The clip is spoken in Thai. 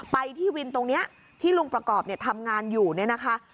ไปที่วินตรงนี้ที่ลุงประกอบเนี่ยทำงานอยู่เนี่ยนะคะ